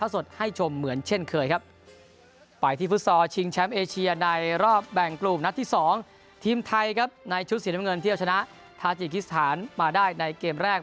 สีน้ำเงินเที่ยวชนะทาจิกฤษฐานมาได้ในเกมแรก